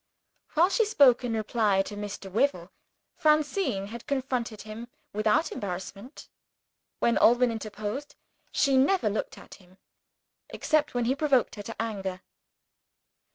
While she spoke in reply to Mr. Wyvil, Francine had confronted him without embarrassment. When Alban interposed, she never looked at him except when he provoked her to anger.